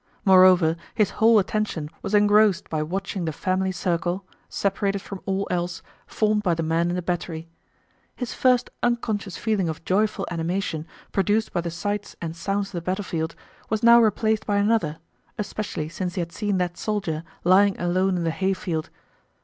Moreover, his whole attention was engrossed by watching the family circle—separated from all else—formed by the men in the battery. His first unconscious feeling of joyful animation produced by the sights and sounds of the battlefield was now replaced by another, especially since he had seen that soldier lying alone in the hayfield.